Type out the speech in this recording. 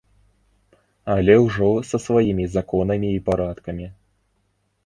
Але ўжо са сваімі законамі і парадкамі.